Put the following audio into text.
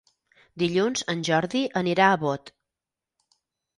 Dilluns en Jordi anirà a Bot.